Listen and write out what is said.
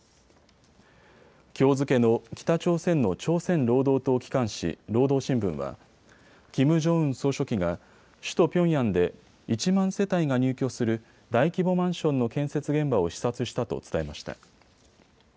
きょう付けの北朝鮮の朝鮮労働党機関紙、労働新聞はキム・ジョンウン総書記が首都ピョンヤンで１万世帯が入居する大規模マンションの建設現場を視察したと伝えました。